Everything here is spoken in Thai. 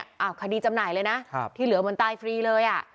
อ้าวคดีจำหน่ายเลยนะที่เหลือมันตายฟรีเลยอะ